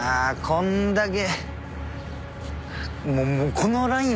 こんだけ。